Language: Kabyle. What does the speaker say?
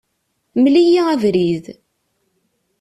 Mel-iyi abrid.